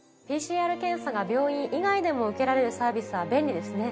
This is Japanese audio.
ＰＣＲ検査が病院以外でも受けられるサービスは便利ですね。